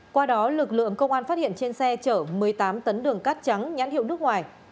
qua đó lực lượng công an phát hiện trên xe chở một mươi tám tấn đường cát trắng nhãn hiệu nước ngoài